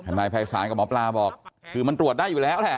นายภัยศาลกับหมอปลาบอกคือมันตรวจได้อยู่แล้วแหละ